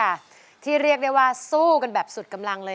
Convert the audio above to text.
รายการต่อไปนี้เป็นรายการทั่วไปสามารถรับชมได้ทุกวัย